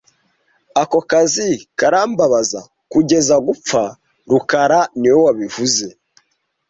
Ako kazi karambabaza kugeza gupfa rukara niwe wabivuze